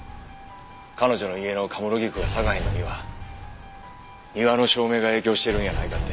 彼女の家の神室菊が咲かへんのには庭の照明が影響してるんやないかって。